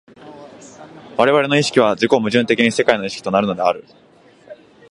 我々の意識は自己矛盾的に世界の意識となるのである。